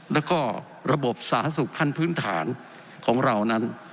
แล้วก็ระบบสาธารณสุขขั้นพื้นฐานของเรานั้น